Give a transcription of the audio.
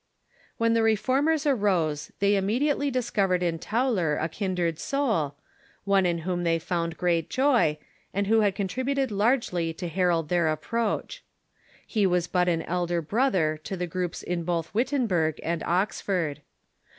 When the Reformers arose they immediately discovered in Tauler a kindred soul, one in whom they found great joy, and who had contributed largely to herald their approach. He was but an elder brother to the groups in both Wittenberg and Oxford.